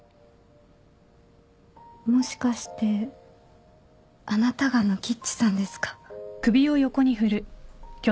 もしかしてあなたがノキッチさんですか？